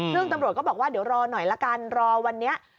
ซึ่งตำรวจก็บอกว่าเดี๋ยวรอหน่อยละกันรอวันนี้